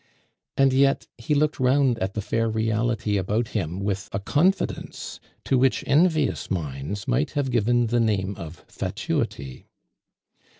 And yet, he looked round at the fair reality about him with a confidence to which envious minds might have given the name of fatuity.